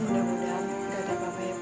mudah mudahan gak ada apa apa ya bu